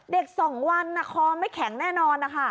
เด็กสองวันน่ะคอไม่แข็งแน่นอนนะคะ